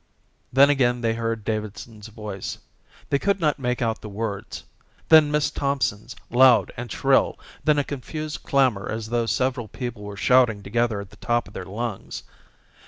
Then again they heard Davidson's voice, they could not make out the words, then Miss Thompson's, loud and shrill, then a confused clamour as though several people were shouting together at the top of their lungs.